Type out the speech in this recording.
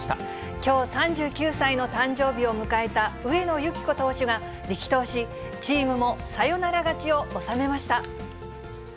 きょう３９歳の誕生日を迎えた上野由岐子投手が力投し、チームもサヨナラ勝ちを収めました。